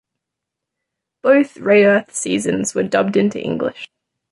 Both Rayearth seasons were dubbed into English.